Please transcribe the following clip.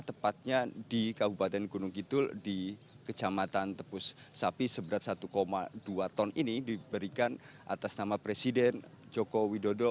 tepatnya di kabupaten gunung kidul di kecamatan tepus sapi seberat satu dua ton ini diberikan atas nama presiden joko widodo